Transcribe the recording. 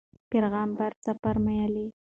پیغمبر څه فرمایلي؟